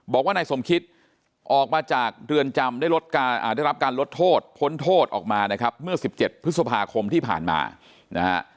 บอกว่านายสมคิตออกมาจากเรือนจำได้รับการลดโทษพ้นโทษออกมานะครับเมื่อ๑๗พฤษภาคมที่ผ่านมานะฮะ